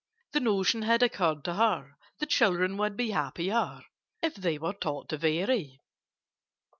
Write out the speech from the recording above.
The notion had occurred to her, The children would be happier, If they were taught to vary.